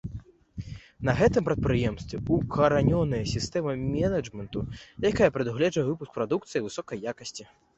На гэтым прадпрыемстве, укаранёная сістэма менеджменту, якая прадугледжвае выпуск прадукцыі высокай якасці.